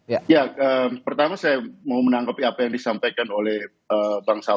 ya pertama saya mau menanggapi apa yang disampaikan oleh bang salman